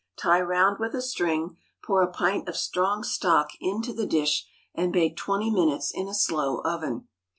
Tie round with a string, pour a pint of strong stock into the dish, and bake twenty minutes in a slow oven.